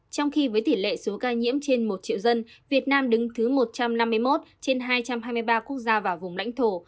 trong khi với tỷ lệ số ca nhiễm trên một triệu dân việt nam đứng thứ một trăm năm mươi một trên hai trăm hai mươi ba quốc gia và vùng lãnh thổ